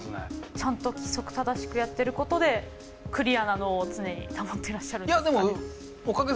ちゃんと規則正しくやってることでクリアな脳を常に保ってらっしゃるんですかね。